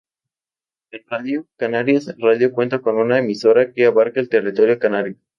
En radio, Canarias Radio cuenta con una emisora que abarca el territorio canario.